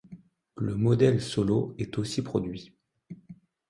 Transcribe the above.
Le modèle solo est aussi produit.